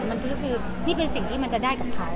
มันก็คือนี่เป็นสิ่งที่มันจะได้กับเขา